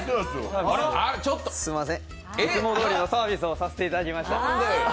すいません、いつもどおりのサービスをさせていただきました。